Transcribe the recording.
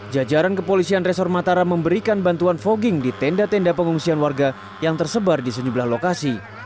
jajaran kepolisian resor mataram memberikan bantuan fogging di tenda tenda pengungsian warga yang tersebar di sejumlah lokasi